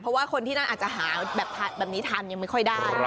เพราะว่าคนที่นั่นอาจจะหาแบบนี้ทานยังไม่ค่อยได้